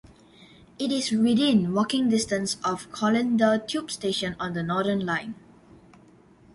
It is within walking distance of Colindale tube station on the Northern line.